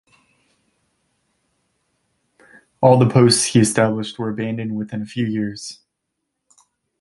All the posts he established were abandoned within a few years.